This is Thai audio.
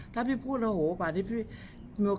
ล่ะพ้นไปกันไม่พูด